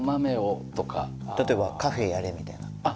例えばカフェやれみたいな。